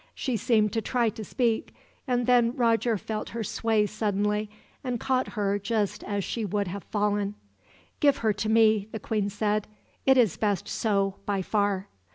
She seemed to try to speak, and then Roger felt her sway suddenly, and caught her just as she would have fallen. "Give her to me," the queen said. "It is best so, by far.